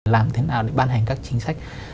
làm thế nào để ban hành các chính sách